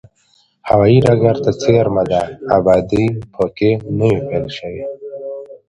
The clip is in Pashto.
هوایي ډګر ته څېرمه ده، ابادي په کې نوې پیل شوې ده.